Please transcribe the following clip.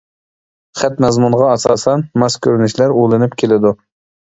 خەت مەزمۇنىغا ئاساسەن ماس كۆرۈنۈشلەر ئۇلىنىپ كېلىدۇ.